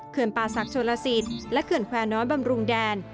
ป่าศักดิโชลสิทธิ์และเขื่อนแควร์น้อยบำรุงแดน